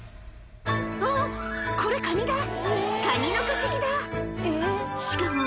あっこれカニだカニの化石だ